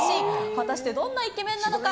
果たしてどんなイケメンなのか。